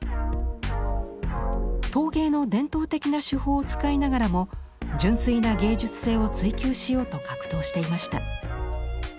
陶芸の伝統的な手法を使いながらも純粋な芸術性を追求しようと格闘していました。